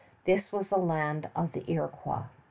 This was the land of the Iroquois.